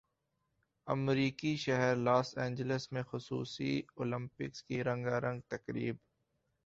امریکی شہر Los Angeles میں خصوصی اولمپکس کی رنگا رنگ تقریب